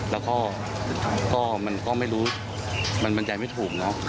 แล้วก็มันก็ไม่รู้มันบรรยายไม่ถูกเนอะ